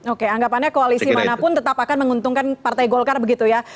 oke anggapannya koalisi manapun tetap akan menguntungkan partai golkar begitu ya